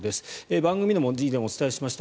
番組でも以前お伝えしました。